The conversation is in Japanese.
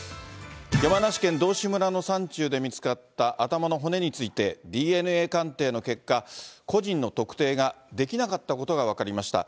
山梨県道志村の山中で見つかった頭の骨について、ＤＮＡ鑑定の結果、個人の特定ができなかったことが分かりました。